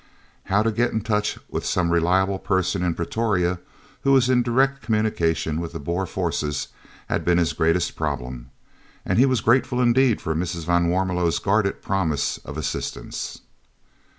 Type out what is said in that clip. How to get into touch with some reliable person in Pretoria who was in direct communication with the Boer forces had been his greatest problem, and he was grateful indeed for Mrs. van Warmelo's guarded promise of assistance.